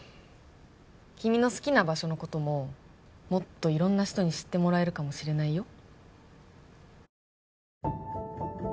君の好きな場所のことももっと色んな人に知ってもらえるかもしれないよ